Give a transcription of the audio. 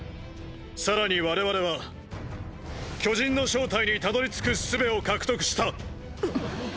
更に我々は巨人の正体にたどりつく術を獲得した！